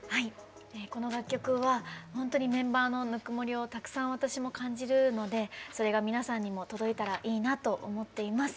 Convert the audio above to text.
この楽曲は、本当にメンバーのぬくもりをたくさん私も感じるのでそれが皆さんにも届いたらいいなと思っています。